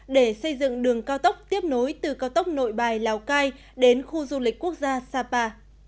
để xây dựng đường cao tốc tiếp nối từ cao tốc nội bài lào cai đến khu du lịch quốc gia sapa